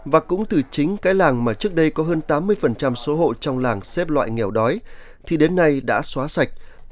và cũng từ chính cái làng mà trước đây có hơn tám mươi số hộ trong làng xếp loại nghèo đói thì đến nay đã xóa sạch